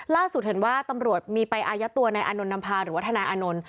ล่าสุถิดว่าตำรวจมีปัยอาญาตัวในอนนนำภาหรือวัฒนาอนน